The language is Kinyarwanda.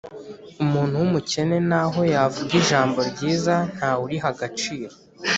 Umuntu w’umukene naho yavuga ijambo ryiza nta wuriha agaciro.